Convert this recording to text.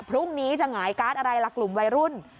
พรุ่งนี้จะหงายการ์ดอะไรล่ะกลุ่มวัยรุ่น